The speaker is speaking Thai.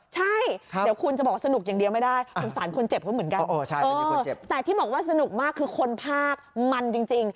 ใช่เดี๋ยวคุณจะบอกสนุกอย่างเดียวไม่ได้สนุกมากคือคนภาคมันจริง